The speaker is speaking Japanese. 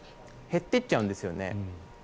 減ってっちゃうんですよね。